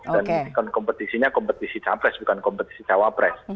dan kompetisinya kompetisi cawapres bukan kompetisi cawapres